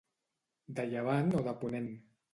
De llevant o de ponent.